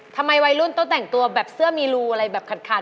ทำไมวัยรุ่นต้องแต่งตัวแบบเสื้อมีรูอะไรแบบขาด